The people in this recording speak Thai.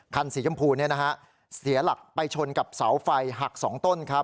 คันสีชมพูเสียหลักไปชนกับเสาไฟหัก๒ต้นครับ